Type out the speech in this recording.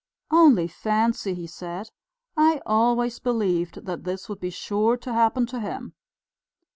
"Only fancy," he said, "I always believed that this would be sure to happen to him."